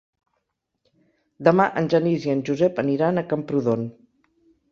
Demà en Genís i en Josep aniran a Camprodon.